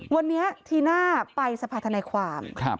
วันนี้ธีน่าไปสภาษณ์ทนายความ